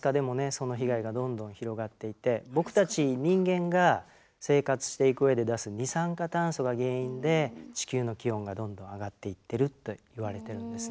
その被害がどんどん広がっていて僕たち人間が生活していく上で出す二酸化炭素が原因で地球の気温がどんどん上がっていってると言われてるんですね。